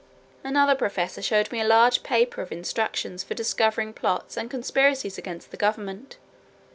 Another professor showed me a large paper of instructions for discovering plots and conspiracies against the government.